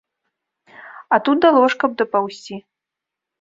А тут да ложка б дапаўзці.